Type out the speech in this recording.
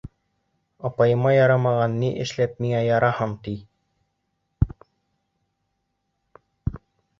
Апайыма ярамаған, ни эшләп миңә яраһын, ти?